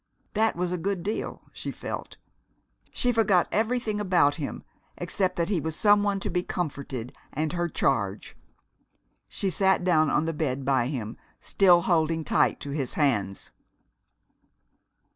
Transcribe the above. That was a good deal, she felt. She forgot everything about him, except that he was some one to be comforted, and her charge. She sat down on the bed by him, still holding tight to his hands.